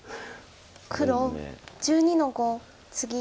黒１２の五ツギ。